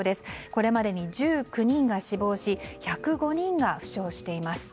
これまでに１９人が死亡し１０５人が負傷しています。